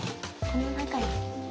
この中に。